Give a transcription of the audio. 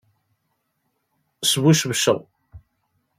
Sbucebceɣ.